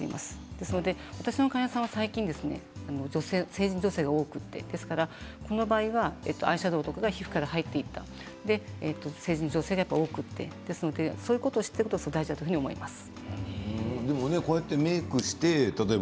ですので私の患者さんが最近成人女性が多くてこの場合はアイシャドーとかが皮膚から入っていった成人女性が多くてですのでそういうことを知っていることが大事だと思います。